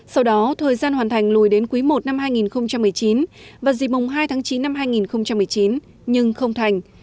sau đó thời gian hoàn thành lùi đến quý i năm hai nghìn một mươi chín và dịp mùng hai tháng chín năm hai nghìn một mươi chín nhưng không thành